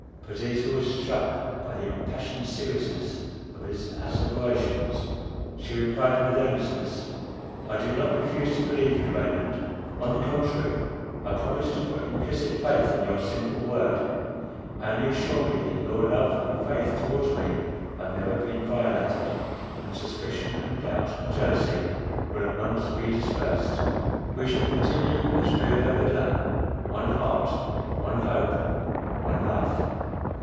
Perdita was struck by the impassioned seriousness of his asseverations. She replied with earnestness, "I do not refuse to believe you, Raymond; on the contrary I promise to put implicit faith in your simple word. Only assure me that your love and faith towards me have never been violated; and suspicion, and doubt, and jealousy will at once be dispersed. We shall continue as we have ever done, one heart, one hope, one life."